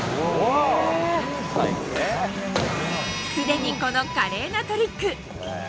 すでにこの華麗なトリック。